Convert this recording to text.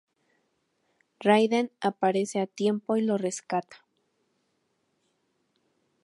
Raiden aparece a tiempo y lo rescata.